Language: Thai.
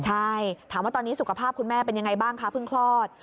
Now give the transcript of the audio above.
ใช่ถามว่าตอนนี้สุขภาพคุณแม่เป็นยังไงบ้างคะเพิ่งคลอด